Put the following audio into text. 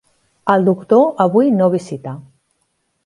El doctor avui no visita.